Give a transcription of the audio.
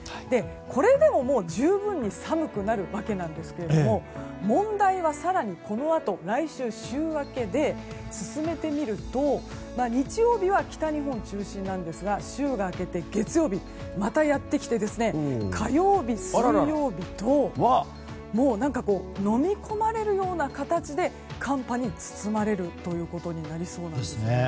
これでも十分に寒くなるわけなんですが問題は、更にこのあと来週週明けで進めてみると日曜日は北日本中心なんですが週が明けて月曜日またやってきて火曜日、水曜日ともうのみ込まれるような形で寒波に包まれるということになりそうです。